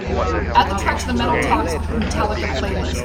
Add the track to the Metal Talks Metallica playlist.